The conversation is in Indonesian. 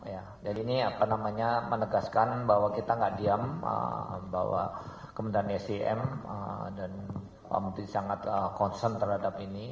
ya jadi ini apa namanya menegaskan bahwa kita nggak diam bahwa kementerian sdm dan pak menteri sangat concern terhadap ini